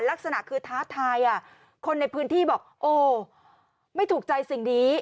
ลักษณะคือท้าทายคนในพื้นที่บอกโอ้ไม่ถูกใจสิ่งนี้